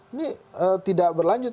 ini tidak berlanjut